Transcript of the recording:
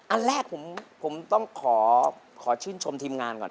อันแรกผมต้องขอชื่นชมทีมงานก่อน